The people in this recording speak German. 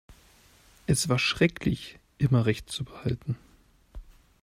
Es war schrecklich, immer Recht zu behalten.